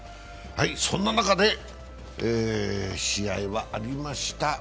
そんな中で、試合はありました。